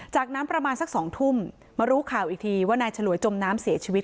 จากนั้นประมาณสัก๒ทุ่มมารู้ข่าวอีกทีว่านายฉลวยจมน้ำเสียชีวิต